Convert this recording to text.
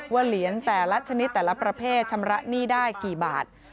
เหรียญแต่ละชนิดแต่ละประเภทชำระหนี้ได้กี่บาท